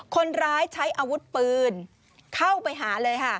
คนร้ายใช้อาวุธปืนเข้าไปหาเลยค่ะ